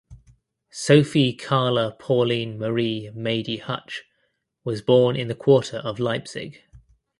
Sophie Carla Pauline Marie "Mady" Huch was born in the quarter of Leipzig.